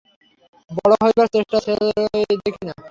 বড়ো হইবার চেষ্টায় শ্রেয় দেখি না।